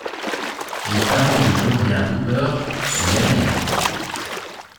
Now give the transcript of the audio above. Les parents de Gloria Hooper sont Ghanéens.